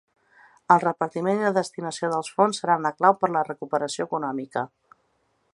El repartiment i la destinació dels fons seran clau per a la recuperació econòmica.